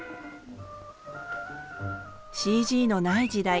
ＣＧのない時代